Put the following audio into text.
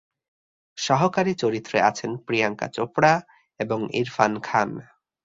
সহকারী চরিত্রে আছেন প্রিয়াঙ্কা চোপড়া এবং ইরফান খান।